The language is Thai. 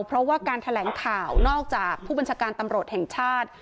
เพราะว่าการแถลงข่าวนอกจากผู้บัญชาการตำรวจแห่งชาติ